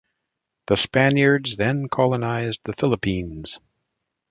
The Spaniards then colonized the Philippines.